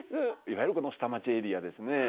いわゆる下町エリアですね。